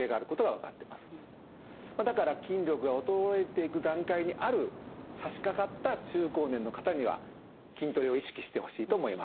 だから筋力が衰えていく段階にあるさしかかった中高年の方には筋トレを意識してほしいと思います。